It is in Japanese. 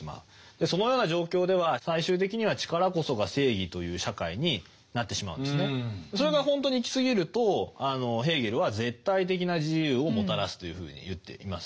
そのような状況では最終的にはそれがほんとに行きすぎるとヘーゲルは絶対的な自由をもたらすというふうに言っています。